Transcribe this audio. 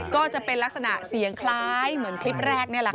ก็จะเป็นลักษณะเสียงคล้ายเหมือนคลิปแรกนี่แหละค่ะ